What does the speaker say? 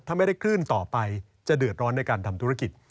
ถ้าไม่ได้คลื่นต่อไปจะเดือดร้อนในการทำธุรกิจ